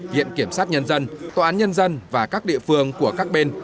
viện kiểm sát nhân dân tòa án nhân dân và các địa phương của các bên